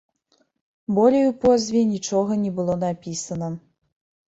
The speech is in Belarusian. Болей у позве нічога не было напісана.